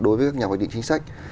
đối với các nhà hoạch định chính sách